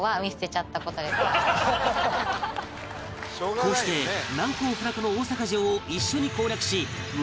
こうして難攻不落の大阪城を一緒に攻略し胸